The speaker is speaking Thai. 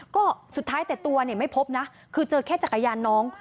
ก็สุดท้ายแต่ตัวเนี่ยไม่พบนะคือเจอแค่จักรยานน้อง